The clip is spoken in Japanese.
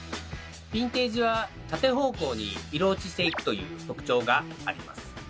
ヴィンテージは縦方向に色落ちしていくという特徴があります。